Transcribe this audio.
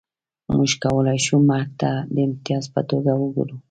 موږ کولای شو مرګ ته د امتیاز په توګه وګورو